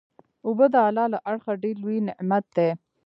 اوبه د الله له اړخه ډیر لوئ نعمت دی